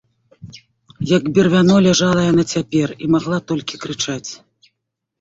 Як бервяно, ляжала яна цяпер і магла толькі крычаць.